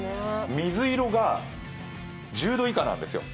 水色が１０度以下なんですよ。